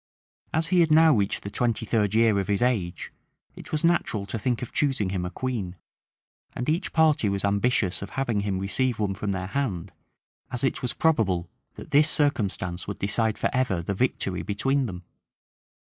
As he had now reached the twenty third year of his age, it was natural to think of choosing him a queen; and each party was ambitious of having him receive one from their hand, as it was probable that this circumstance would decide forever the victory between them.